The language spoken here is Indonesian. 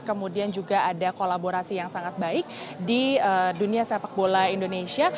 kemudian juga ada kolaborasi yang sangat baik di dunia sepak bola indonesia